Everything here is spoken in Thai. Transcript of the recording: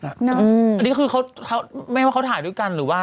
อันนี้คือเขาไม่ว่าเขาถ่ายด้วยกันหรือว่า